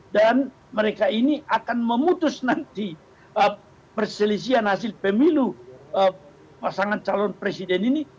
dan mereka ini akan memutus nanti perselisihan hasil pemilu pasangan calon presiden ini